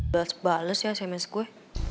balas balas ya sms gue